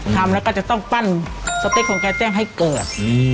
ทำแล้วก็จะต้องปั้นสเปคของแกแจ้งให้เกิด